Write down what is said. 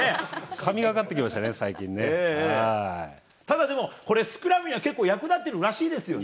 神がかってきましたね、ただ、でもこれ、スクラムには結構役立ってるらしいですね。